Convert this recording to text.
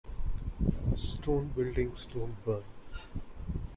Stone buildings don't burn.